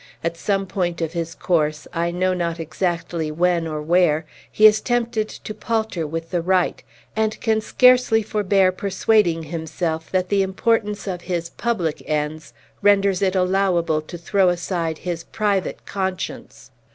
At some point of his course I know not exactly when or where he is tempted to palter with the right, and can scarcely forbear persuading himself that the importance of his public ends renders it allowable to throw aside his private conscience.